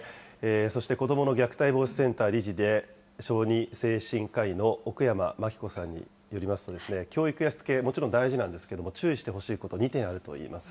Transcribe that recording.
そして、子どもの虐待防止センター理事で、小児精神科医の奥山眞紀子さんによりますと、教育やしつけ、もちろん大事なんですけど、注意してほしいこと、２点あるといいます。